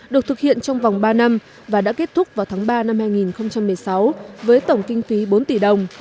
được thực hiện trong vòng ba năm và đã kết thúc vào tháng ba năm hai nghìn một mươi sáu với tổng kinh phí bốn tỷ đồng